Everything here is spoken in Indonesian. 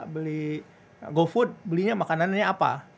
beli gofood belinya makanannya apa